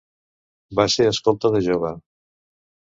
Va ser escolta de jove.